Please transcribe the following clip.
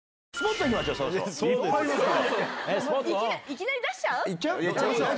いきなり出しちゃう？